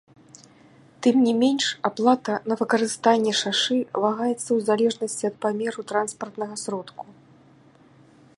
Тым не менш, аплата на выкарыстанне шашы вагаецца ў залежнасці ад памеру транспартнага сродку.